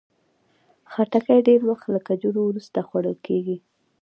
خټکی ډېر وخت له کجورو وروسته خوړل کېږي.